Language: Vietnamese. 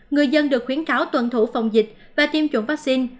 người dân được khuyến cáo tuần thủ phòng dịch và tiêm chủng vaccine